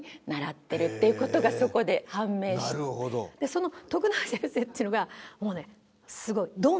その徳永先生っていうのがもうねすごい。